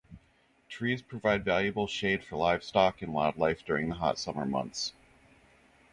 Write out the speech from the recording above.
Trees provide valuable shade for livestock and wildlife during the hot summer months.